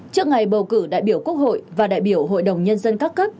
trước ngày bầu cử đại biểu quốc hội và đại biểu hội đồng nhân dân các cấp